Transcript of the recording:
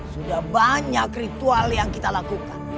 sudah banyak ritual yang kita lakukan